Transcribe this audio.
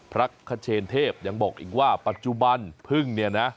พระคเชนเทพยังบอกอีกว่าปัจจุบันพึ่งเนี่ยนะ